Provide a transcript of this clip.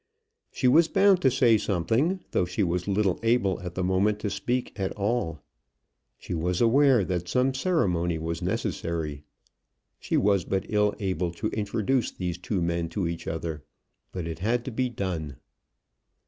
She was bound to say something, though she was little able at the moment to speak at all. She was aware that some ceremony was necessary. She was but ill able to introduce these two men to each other, but it had to be done.